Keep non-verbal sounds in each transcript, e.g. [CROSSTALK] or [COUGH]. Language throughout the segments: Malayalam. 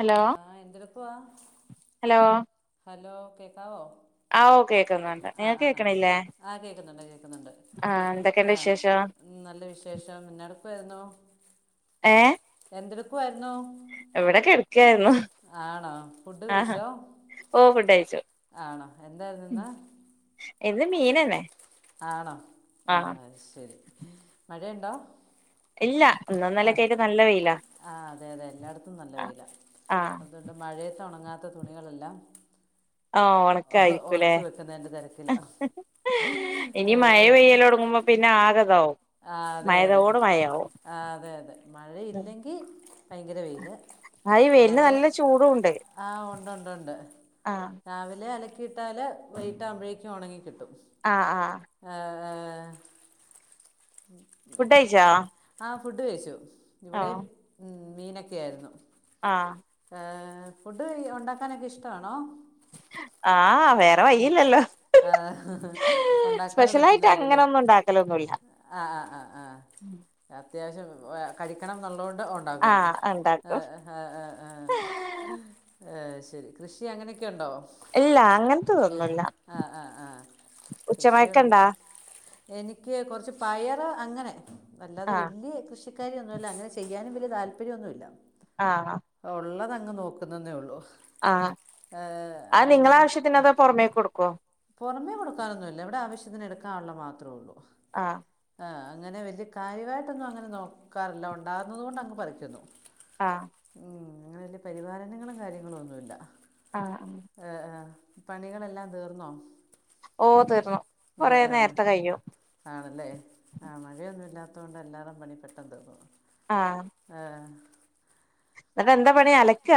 ഹലോ ആഹ് എന്തെടുക്കുവാ ഹലോ ഹലോ കേക്കാവോ ആഹ് ഓഹ് കേക്കുന്നുണ്ട് ആഹ് നിഅക്ക്‌ ആഹ് ആഹ് കേക്ണില്ലേ ആഹ് കേൾക്കുന്നുണ്ട് ആഹ് എന്തൊക്കെണ്ട് വിശേഷം ഉം നല്ല വിശേഷം പിന്നെടപോയിരുന്നോ ഏഹ് ന്തെടുക്കുആയിരുന്നു എവടെ കെട്ക്കായിരുന്നു ആണോ ഫുഡ് കഴിച്ചോ ഓ ഫുഡ് കഴിച്ചു ആണോ എന്തായിരുന്നു ഇന്ന് ഇന്ന് മീനന്നെ ആണോ ആ ആഹ് ശരി മഴണ്ടോ ഇല്ല ഇന്നും ഇന്നലെയൊക്കെ അഹ് ആയിട്ട് നല്ല വെയിലാ ആഹ് അതെ അതെ എല്ലായിടത്തും നല്ല ആ വെയില ആ അതുകൊണ്ട് മഴയത്തൊണങ്ങാത്ത തുണികളെല്ലാം ഓഹ് ഉണക്കായിരിക്കുല്ലേ ഒണക്കി വെക്കുന്നതിൻ്റെ തിരക്കിലാ ഇനി മഴ പെയ്യലൊടങ്ങുമ്പോ പിന്നെ ആഗതാവും ആഹ് അതെ അതെ ആഹ് അതെ അതെ മഴയില്ലെങ്കി ഭയങ്കര വെയ്ല് ആയി വെയ്ല്ന് നല്ല ചൂടുണ്ട് ആഹ് ഉണ്ട് ഉണ്ട് ഉണ്ട് ആഹ് രാവിലെ അലക്കിയിട്ടാലെ വെയ്ഇട്ട് ആഉമ്പഴേക്കു ഉണങ്ങി കിട്ടും ആഹ് ഹ ആഹ് അഹ് ആഹ് ഫുഡയ്ച്ചോ ആഹ് ഫുഡ് കഴിച്ചു ഇവിടെ ഉം മീനൊക്കെ ആയിരുന്നു ആഹ് ഏഹ് ഫുഡ് ഉണ്ടാക്കാനൊക്കെ ഇഷ്ടാണോ ആഹ് ഉം വേറെ ഉം വയ്യില്ലല്ലോ ആഹ് സ്പെഷ്യലായിട്ട് അങ്ങനെ ഒന്നും ഉണ്ടാക്കലൊന്നുല്ല ആഹ് ആഹ് ആഹ് ആഹ് അത്യാവശ്യം കഴിക്കണം ന്നുള്ളോണ്ട് ഒ ണ്ടാകുന്നു ആഹ് ഉണ്ടാക്കും എഹ് എഹ് എഹ് എഹ് ഏഹ് ശരി കൃഷി അങ്ങനെയൊക്കെ ഉണ്ടോ ഇല്ല ആ അങ്ങൻത്തെതൊന്നുല്ല കൃഷിയട എനിക്ക് കുറച്ച് പയർ അങ്ങനെ അല്ലാതെ ആഹ് വല്യ കൃഷ് ച്ചക്കായ ഒന്നുല്ല അങ്ങനെ ചെയ്യാനും വല്യ താല്പര്യന്നുല്ല ആഹ് അഹ് ഉള്ളതങ്ങ് നോക്കുന്നെന്നേ ഉള്ളു ആഹ് അങ്ങനെ പുറമേ കൊടുക്കോ പുറമേ കൊടുക്കാനൊന്നുല്ല ഇവിടെ ആവശ്യത്തിന് എടുക്കാനുള്ള മാത്ര ഉള്ളൂ ആഹ് ആഹ് അങ്ങനെ വല്യ കാര്യവായിട്ടൊന്നും അങ്ങനെ നോക്കാറില്ല ഉണ്ടാകുന്നതോണ്ട് അങ്ങ് പറിക്കുന്നു ആഹ് ഉം അങ്ങനെ വല്യ പരിപാലനങ്ങളും കാര്യങ്ങളുന്നുല്ല ആഹ് അഹ് ഏഹ് ഏഹ് പണികളെല്ലാം തീർന്നോ ഓഹ് തീർന്നു ന്നെ കൊറേ ഏഹ് നേരത്തെ കഴിയും ആണല്ലേ ആഹ് മഴയൊന്നുമ ഇല്ലാത്തത് കൊണ്ട് എല്ലാവരും പണി പെട്ടെന്ന് തക്കും ആഹ് ആഹ് എന്നിട്ട് എന്താ പണി അലക്ക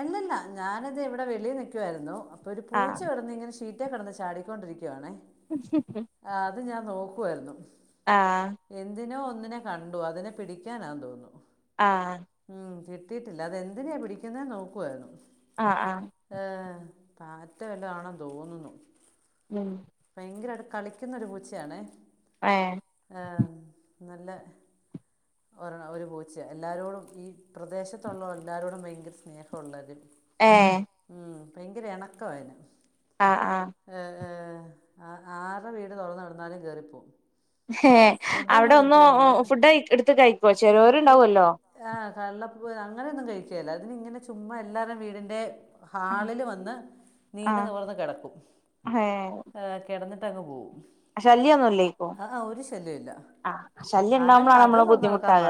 അല്ലല്ല ഞാനത് ഇവിടെ വെളി നിൽക്കുവായിരുന്നു അപ്പൊ ഒരു പൂച്ച ആഹ് കളന്ന് ഇങ്ങനെ ഇഷ് ചീറ്റ കിടന്ന് ചാടിക്കൊണ്ടിരിക്കവാണേ [UNINTELLIGIBLE] ആഹ് അത് ഞാൻ നോക്കുവായിരുന്നു ആഹ് എന്തിനോ ഒന്നിനെ കണ്ടു അതിനെ പിടിക്കാനാ തോന്നുന്നു ആഹ് ഉം കിട്ടിയിട്ടില്ല അതെന്തിനാ പിടിക്കുന്ന നോക്കുവായിരുന്നു ആഹ് ആഹ് ഏഹ് പാറ്റ വല്ലതണോ തോന്നുന്നു ഉം ഭയങ്കരായിട്ട് കളിക്കുന്നൊരു പൂച്ചയാണെ ഏഹ് ആഹ് നല്ല ഒരണ ഒരു പൂച്ച എല്ലാരോടും ഈ പ്രദേശത്തുള്ള എല്ലാരോടും ഭയങ്ക സ്നേഹമുള്ള ഏഹ് ഉം ഭയങ്കര എനക്കായിരുന്ന് ആഹ് ആഹ് ഏഹ് ഏഹ് ആരുടെ വീട് തൊറന്ന്‌ കെടന്നാലും കേറിപ്പോവും ഏഹ് അവിടെ ഒന്ന് ഫുഡ് എടുത്ത് കഴിക്കോ ചെലോരുണ്ടാവോല്ലോ ആഹ് കള്ളപ്പ അങ്ങനെയൊന്നും കഴിക്ക്കേല അതിന് ഇങ്ങനെ ചുമ്മാ എല്ലാരേം വീടിന്റെ ഹാളിൽ വന്ന് ആ നീണ്ട് നിവർന്ന് കെടക്കും ഹേ കെടന്നിട്ടങ് പോകും ശല്യൊന്നും ഇല്ലേയ്ക്കും ആഹ് ശല്യം ആരുടെയും ഉണ്ടാകുമ്പള് ആണ് നമ്മള് കതക് തുറന്ന് ബുദ്ധിമുട്ടാക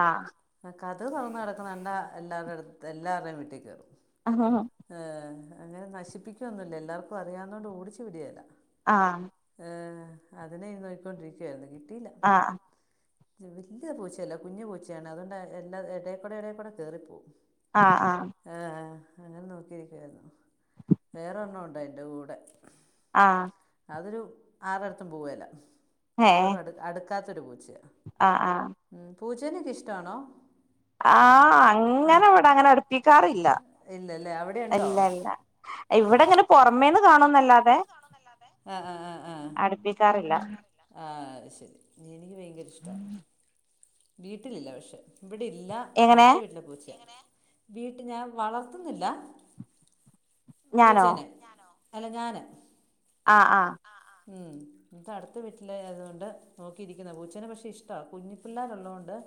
ആഹ് ആഹ് കതക് തൊറന്ന്‌ കെടക്കണ കണ്ടാ എല്ലാരുടെ എല്ലാവരുടെേയും വീട്ടിൽ ക കേറും ആഹാഹ ഏഹ് അങ്ങനെ നശിപ്പിക്കുവൊന്നുമല്ല എല്ലാർക്കും അറിയാവന്നോണ്ട് ഓടിച്ചു വിടിയേല ആഹ് ഏഹ് അതിനെ നോക്കി ക്കൊണ്ടിരിക്കുവായിരുന്നു കിട്ടിയില്ല ആഹ് വലിയ പൂച്ചയല്ല കുഞ്ഞു പൂച്ചയാണ് അതുകൊണ്ട് എല്ലാ എടേക്കൂടെ എടേക്കൂടെ കേറിപ്പോവും ആഹ് ആഹ് ഏഹ് അങ്ങനെ നോക്കിയിരിക്കുവായിരുന്നു വേറെ ഒരെണ്ണം ഉണ്ട്‌ എൻ്റെ കൂടെ ആഹ് അതൊരു ആരടത്തും പോവേല ഏ ആരോടും അടു അടുക്കാത്തൊരു പൂച്ചയാ ആ ആ ഉം പൂച്ചേന ഒക്കെ ഇഷ്ട്ടാണോ ആഹ് അങ്ങനെ ഇവിടെ അങ്ങനെ അടുപ്പിക്കാറില്ല ഇല്ലല്ലേ അവിടെ ഉണ്ടോ ഇല്ല ഇല്ല ഇവിടെ ഇങ്ങനെ പൊറമേന്ന് കാണന്നല്ലാതെ അടുപ്പിക്കാറില്ല ആഹ് ശരി എനിക്ക് ഭയങ്കര ഇഷ്ട വീട്ടിലില്ല പക്ഷെ ഇവിടെ ഇല്ല എങ്ങനെ അടുത്ത വീട്ടിലെ പൂച്ചയ വീട്ട് ഞാൻ വളർത്തുന്നില്ല ഞാനോ പൂച്ചേനെ അല്ല ഞാന് ആഹ് ആഹ് ഉം ഇമക്ക് അടുത്ത വീട്ടില ആയതുകൊണ്ട് നോക്കിയിരിക്കുന്ന പൂച്ചേനെ പക്ഷെ ഇഷ്ടമാ കുഞ്ഞി പിള്ളേരു ഉള്ളതുകൊണ്ട് [INAUDIBLE]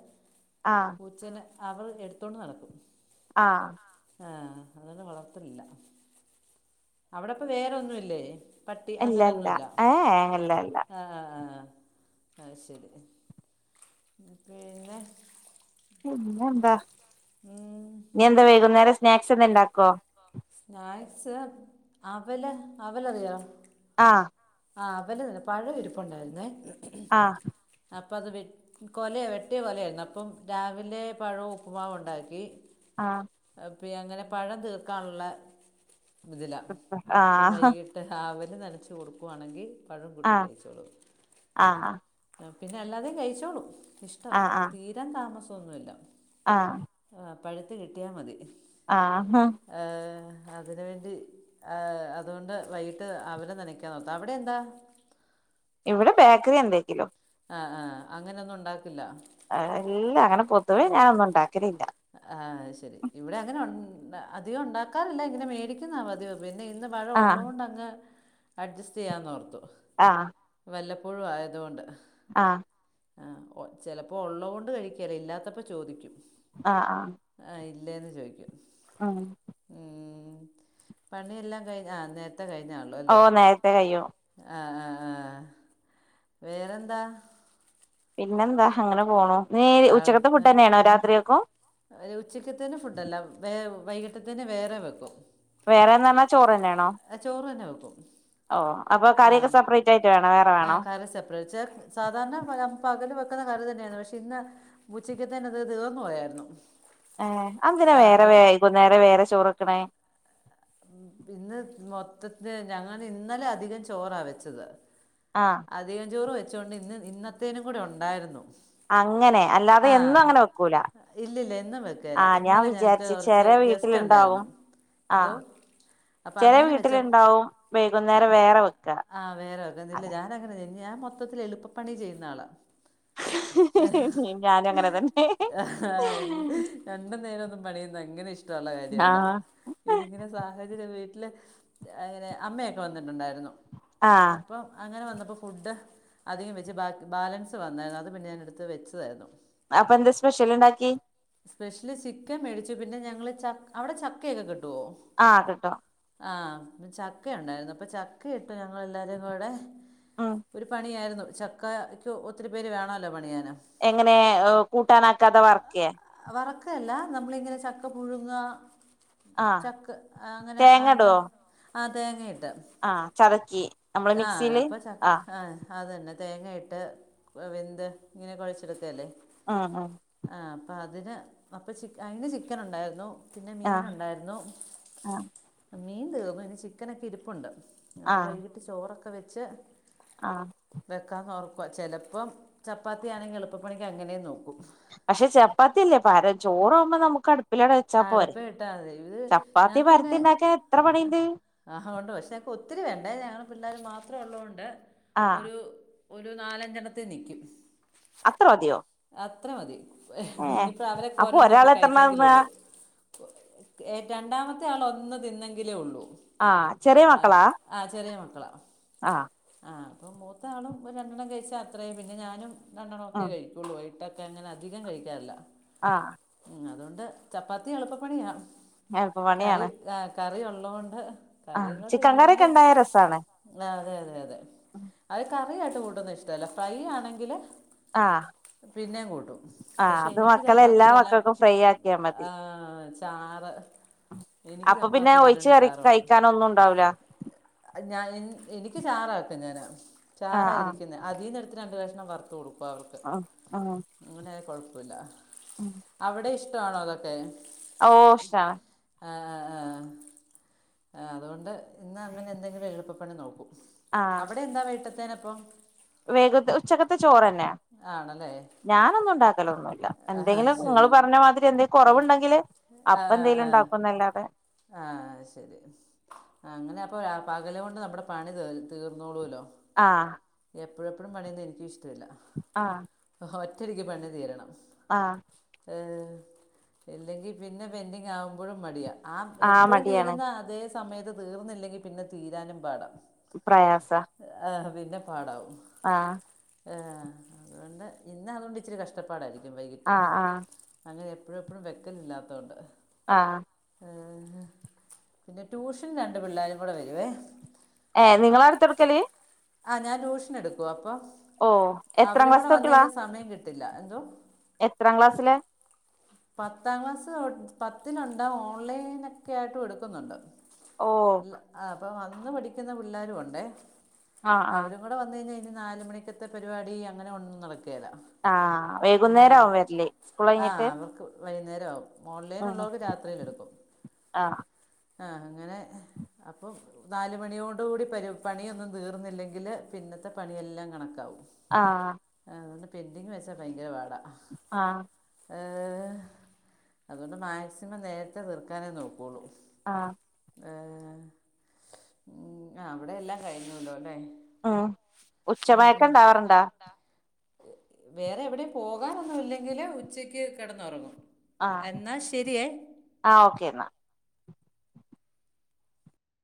ആഹ് പൂച്ചനെ അവൾ എടുത്തോണ്ട് നടക്കും ആഹ് ആഹ് അതന്നെ വളർത്ത്ണില്ല അവടെപ്പ വേറൊന്നുല്ലേ പട്ടി ഇല്ല ഇല്ല അങ്ങനൊന്നുല്ല ഏ ഇല്ല ആഹ് ഇല്ല അ ആ ആ ആഹ് ശരി പിന്നെ പിന്നെ എന്താ നീ എന്താ വൈകുംന്നേരം സ്നാക്സ് എന്തേലും ഇണ്ടാക്കോ സ്നാക്ക്സ് അവല് അവല് അറിയോ ആഹ് ആഹ് അവല് പഴം ഇരിപ്പുണ്ടാര്‌ന്നേ ആഹ് അപ്പ അത് വി കൊലേ വെട്ടേ കൊലേരുന്നു അപ്പം രാവിലെ പഴും ഉപ്പ്മാവ് ഉണ്ടാക്കി ആഹ് അപ്പി അങ്ങനെ പഴം തീർക്കാണ്ള്ള ഇതില അപ്പ ആഹ് വൈകി മറ്റേ രാവിലെ നനച്ച് കൊടുക്കുവാണെങ്കി പഴം കുട്ടി ആഹ് കഴിച്ചോളൂ പിന്നെ അല്ലാതിം കഴിച്ചോളും ഇഷ്ട ആഹ് ആഹ് തീരാൻ താമസൊന്നുല്ല ആഹ് ആഹ് പഴുത്ത് കിട്ടാമതി ആഹാ അതിനുവേണ്ടി അതുകൊണ്ട് വൈകിട്ട് അവൽ നന [UNINTELLIGIBLE] അവിടെ എന്താ ഇവടെ ബേക്ക്റി എന്തേക്കിലും ആ ആഹ അങ്ങനൊന്നും ഉണ്ടാക്കില്ല അല്ല അങ്ങനെ പൊതുവേ ഞാനൊന്നും ഉണ്ടാക്കലില്ല ആഹ് അഅ് ശരി ഇവിടെ അങ്ങനെ ഉ അധികം ഉണ്ടാക്കാറില്ല ഇങ്ങനെ മേടിക്കുന്നാ പതിവ് പിന്നെ ഇന്ന് പഴം ആഹ് ഉള്ളോണ്ട് അങ്ങ് അഡ്ജസ്റ്റ് ചെയ്യാനോർത്തു ആഹ് വല്ലപ്പോഴു ആയതുകൊണ്ട് ആഹ് ആഹ് ഒ ചലപ്പോ ഒള്ളോണ്ട് കഴിക്ക ഇല്ലാത്തപ്പോ ചോദിക്കും ആ ആഹ് ആഹ് ഇല്ലേന്ന് ചോയ്ക്കും ആഹ് ഉം പണിയെല്ലാം കഴിഞ്ഞ ആ നേരത്തെ കഴിഞ്ഞാള്ളോ ഓ ല്ലേ നേരത്തെ കഴിയും അ ആ ആ വേറെന്താ പിന്നെന്താ അങ്ങന പോണു നീ ആ ഉച്ചക്കത്തെ ഫുഡന്നെണോ രാത്രിയക്കും ഒരു ഉച്ചക്കത്തേന് ഫുഡല്ല വേ വൈകിട്ടത്തേന് വേറെ വെക്കും വേറെന്നറഞ്ഞാ ചോറ് ന്നെണോ ചോറന്നെ വെക്കും ഓ അപ്പോ കറിയൊക്കെ സപ്രറേറ്റ് ആയിറ്റ്‌ വേണോ വേറെ വേണോ നച്ചാ സാധാരണ പകല് വെക്ക്ന്ന കറിതന്നെണ് പക്ഷെ ഇന്ന് ഉൂച്ചക്ക് തെന്ന അത് തീർന്നു പോയായിരുന്നു ഏ അന്തിനാ ആ വേറെ അത് വൈകുന്നേരം വേറെ ചോറക്ക്ണേ ഇന്ന് മൊത്തത്തി ഞങ്ങൾ ഇന്നലെ അധികം ചോറാ വെച്ചത് ആഹ് അധികം ചോറ് വെച്ചൊണ്ട് ഇന്ന് ഇന്നത്തേനും കൂടി ഉണ്ടാരുന്നു അങ്ങനെ അല്ലാതെ എന്നും ആഹ് അങ്ങനെ വെക്കൂല ഇല്ലല്ല എന്നും വെക്കേല ആഹ് ഞാൻ ഇന്നലെ ഞ വിചാരിച്ച് കൊറച്ച് ചെല ഗസ്റ്റ് വീട്ടിലുണ്ടാവും ഉണ്ടാരുന്നു എന്തോ ആഹ് അപ്പൊ ചെല അങ്ങനെ വെച്ച വീട്ടിലുണ്ടാവും വൈകുന്നേരം വേറെ വെക്ക ആഹ് വേറോക്ക ഇ അതെ ഞാനങ്ങനെ ഞാൻ മൊ മൊത്തത്തിൽ എളുപ്പ പണി ചെയ്യുന്ന ആള ഞാനും അങ്ങനെ തന്നെ ആഹ് രണ്ടു നേരം ഒന്നും പണിയുന്ന അങ്ങനെ ഇഷ്ട ഇഷ്ടള്ള കാര്യല്ല ആഹ് ഇതിങ്ങനെ സാഹചര്യം വീട്ടില് അങ്ങനെ അമ്മയൊക്കെ വന്നിട്ടുണ്ടായിരുന്നു ആഹ് ഇപ്പം അങ്ങനെ വന്നപ്പോ ഫുഡ് അധികം വെച്ച് ബ ബാലൻസ് വന്നായിരുന്നു അത് പിന്നെ ഞാൻ എടുത്ത് വെച്ചതായിരുന്നു പ്പ എന്താ സ്പെഷ്യൽ ഇണ്ടാക്കി സ്പെഷ്യല് ചിക്കൻ മേടിച്ചു പിന്നെ ഞങ്ങള് ച അവിടെ ചക്കയൊക്കെ കിട്ടുവോ ആഹ് കിട്ടും ആഹ് ചക്ക ഉണ്ടായിരുന്നു അപ്പൊ ചക്ക ഇട്ടു ഞങ്ങ എല്ലാരും കുടെ ആഹ് ഒരു പണിയായിരുന്നു ചക്കയ്ക്ക ഒത്തിരി പേര് വേണല്ലോ പണിയാൻ എങ്ങനെ കൂട്ടാന ആക്കാതെ വർക്കെ വറക്കയല്ല നമ്മളിങ്ങനെ ചക്ക പുഴുങ്ങ ആഹ് ചക്ക് അങ്ങനെ തേങ്ങ എന്താ ഇടുവോ ആഹ് തേങ്ങയിട്ട് ആഹ് ചതക്കി നമ്മള് ആഹ് മിക്സിയില് അപ്പൊ ച ആഹ് അത്ന്നെ തേങ്ങ ഇട്ട് വന്ത് ഇങ്ങനെ കുഴച്ചെടുത്തല്ലേ ആഹ് ആഹ് ആഹ് അപ്പൊ അതിന് അപ്പൊ അതിന് ചിക്കൻ ഉണ്ടായിരുന്നു പിന്നെ മീൻ ആഹ് ഉണ്ടായിരുന്നു ആഹ് മീൻ തീർന്നു ഇനി ചിക്കൻ ഒക്കെ ഇരിപ്പുണ്ട് അപ്പോ വൈ ആഹ് ചോറൊക്കെ വെച്ച് ആഹ് വെക്കാന്ന് ഓർക്ക ചിലപ്പം ചപ്പാത്തിയാണെങ്കിൽ എളുപ്പണിക്ക് അങ്ങനെ നോക്കും പക്ഷെ ചപ്പാത്തില്ലേ പാര് ചോറ ആവുമ്പോ നമുക്ക് അടുപ്പില ടാ വെച്ചാ പോരെ അടുപ്പ് ഇട്ടാൽ മതി ഇത് ചപ്പാത്തി വരത്തിണ്ടാക്കെ എത്ര പണീണ്ട് ആഹ് കൊണ്ട് പക്ഷേനിക്ക് ഒത്തിരി വേണ്ട ഞങ്ങ പിള്ളേർ മാത്രേ ഉള്ളത്കൊണ്ട് ആഹ് ഒരു ഒരു നാലഞ്ചെണ്ണത്തി നിക്കും അത്ര മതിയോ അത്ര മതി ഏ ഞ്ഞിപ്പ അവരെ അപ്പൊ ഒരെണ്ണ ഒക്കെ ഒരാള് കഴിച്ചെങ്കിലും എത്രണ്ണാന്നാ ഉള്ളു ഏഹ് രണ്ടാമത്തെ ആൾ ഒന്ന് തിന്നെങ്കിലേ ഉള്ളൂ ആഹ് ചെറിയ മക്കളാ ആഹ് ചെറിയ മക്കളാ ആഹ് ആഹ് പ്പോ മൂത്ത ആളും രണ്ടെണ്ണം കഴിച്ചാൽ അത്രയും പിന്നെ ഞാനും രണ്ടെണ്ണം ഒക്കെ ആ കഴിക്കും കുള്ളൂ ഇട്ട തന്നെ അങ്ങനെ അധികം കഴിക്കാറില്ല ആഹ് അതൊണ്ട് ചപ്പാത്തി എളുപ്പ പണിയാണ് എൾപ പണിയാണ് ആഹ് കറി ഉള്ളോണ്ട് ആഹ് ചിക്കൻ കറിയൊക്കെ ഉണ്ടായ രസാണ് ആഹ് അതെ അതെ അതെ അത് കറിയായിട്ട് കൂട്ടന്നും ഇഷ്ടല്ല ഫ്രൈ ആണെങ്കില് ആഹ് പിന്നേ കൂട്ടും പക്ഷെ എനിക്ക് എല്ലാ ചപ്പാത്തിക്കെല്ലാം മക്കൾക്കും ഫ്രൈ ആക്കിയാ മതി ആഹ് ചാറ് എനിക്ക് അപ്പൊ പിന്നെ ചപ്പാത്തി ഒഴിച്ച് തിന്നണേൽ കറി ചാറ് വേണം കഴിക്കാന ഒന്നും ഉണ്ടാവില്ല ഞാൻ എനിക്ക് ചാറ വക്ക ഞൻ ആ ആ ചാറായിരിക്കു അതിന്ന എടുത്ത് രണ്ട കക്ഷണം വറത്ത കൊടുക്കും അവർക്ക് ആ ആ അങ്ങനെ കുഴപ്പല്ല അവിടെ ഇഷ്ടാണോ അതൊക്കെ ഓ ഇഷ്ടമാണ് ആഹ ആ ആ അതുകൊണ്ട് ഇന്ന് അങ്ങനെ എന്തെങ്കിലും എളുപ്പപ്പണി നോക്കും അവിടെ എന്താ വീട്ടത്തേന് അപ്പം വേഗ ഉച്ചകത്തെ ചോറ്ന്നെയ ആണല്ലേ ഞാനൊന്നും ഉണ്ടാക്കല ഒന്നുമല്ല ആ എന്തെങ്കിലും നിങ്ങള് ശരി പറഞ്ഞ മാതിരി എന്തെിലും കുറവുണ്ടെങ്കില് ആഹ ആഹ നല്ലാതെ ആ ശരി അങ്ങനെ അപ്പൊ പകല കൊണ്ട് നമ്മുടെ പണി ത തീർന്നോളൂല്ലോ ആ എപ്പോഴെപ്പോഴും പണിയെന്ന് എനിക്ക ഇഷ്ടമില്ല ആഹ ഒറ്റയടിക് പണി തീരണം ആ ഹേ ഇല്ലെങ്കിൽ പിന്നെ പെൻഡിങ് ആകുമ്പോഴും മടിയാണ് ആ എപ്പോഴും തീരുന്ന അതേ സമയത്ത് തീർന്നില്ലെങ്കി പിന്നെ തീരാനും പാടാ പ്രയാസ ആ പിന്നെ പാടാവും ആ ഏർ അതുകൊണ്ട് ഇന്ന് അതുകൊണ്ട് ഇച്ചിരി കഷ്ടപ്പാടായിരിക്കും വൈകിട്ട് ആഹ് ആഹ് അങ്ങനെ എപ്പൊഴുമെപ്പൊഴും വെക്കലില്ലാത്തൊണ്ട് ആ ആ പിന്നെ ട്യൂഷൻ രണ്ട് പിള്ളോരും കൂടെ വരുവേ ഏ് നിങ്ങളാ നിങ്ങള അപ്പോൾ ഇടത്ത് കൊടുക്കല്? ആ ഞാൻ ട്യൂഷൻ എടുക്കും അപ്പൾ ഓ എത്രാം അവരും കൂടെ ക്ലാസ്ത്തെ കുട്ടികളാ വന്നയ്കഴിഞ്ഞാൽ സമയം കിട്ടില്ല എന്തോ? എത്രാം ക്ലാസ്സില്? പത്താം ക്ലാസ്സ് പത്തിലുണ്ട ഓൺലൈന ഒക്കെ ആയിട്ടും എടുക്കുന്നുണ്ട് ഓ അല്ല ആ അപ്പൊ വന്ന് പഠിക്കുന്ന പിള്ളേരും ഉണ്ടേ ആഹ് ആഹ് അവരും ഇബടെ വന്ന് കഴിഞ്ഞാൽ ഇനി നാല് മണിക്കത്തെ പരിപാടി അങ്ങനെ ഒന്നും നടക്കേല്ല ആഹ് വൈകുന്നേരാകും വരല് സ്കൂൾ കഴിഞ്ഞിട്ട് വൈന്നേരാവും ഓൺലൈൻ ആഹ് ഉള്ളവർക്ക് രാത്രിയിലെടുക്കും ആഹ് ആ അങ്ങനെ അപ്പം നാല മണിയോണ്ട് കൂടി പ പണിയൊന്നും തീർന്നില്ലെങ്കില് പിന്നത്തെ പണിയെല്ലാം കണക്കാവും ആഹ അതോണ്ട് പെൻറിങ്ങ് വെച്ചാൽ ഭയങ്കര പാടാണ് ആ ഏ അതുകൊണ്ട് മാക്സിമം നേരത്തെ തീർക്കാനേ നോകൊള്ളൂ ആ ആ അവിടെ എല്ലാം കഴിഞ്ഞോലെ ല്ലേ ഉം ഉച്ച മയക്കം ഉണ്ടാവാറുണ്ടോ? വേറെ എവടെം പോകാനൊന്നും ഇല്ലെങ്കില് ഉച്ചക്ക് കിടന്നുറങ്ങും എന്നാ ശരിയേ ആ ഓക്കെ ന്നാ